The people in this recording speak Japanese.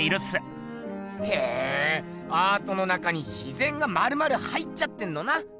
へアートの中に自ぜんがまるまる入っちゃってんのな。